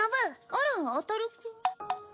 あらあたるく。